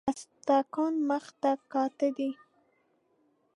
خسته کن مخ ته کاته دي